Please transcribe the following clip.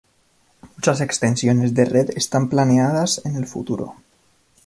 Muchas extensiones de red están planeadas en el futuro.